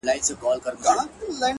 د وجود غړي د هېواد په هديره كي پراته ـ